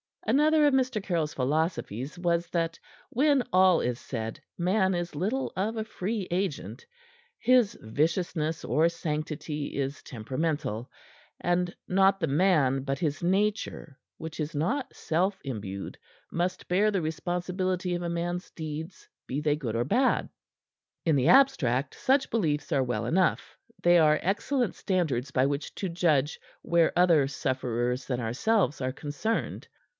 Another of Mr. Caryll's philosophies was that, when all is said, man is little of a free agent. His viciousness or sanctity is temperamental; and not the man, but his nature which is not self imbued must bear the responsibility of a man's deeds, be they good or bad. In the abstract such beliefs are well enough; they are excellent standards by which to judge where other sufferers than ourselves are concerned.